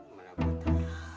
emang enggak gue tau